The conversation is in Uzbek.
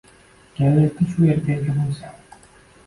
Kelajakda shu yerga ega bo‘lsam